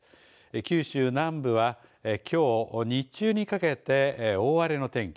九州南部は、きょう日中にかけて大荒れの天気